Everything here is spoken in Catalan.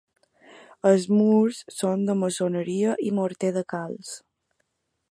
Els murs són de maçoneria i morter de calç.